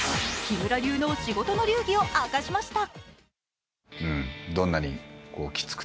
木村流の仕事の流儀を明かしました。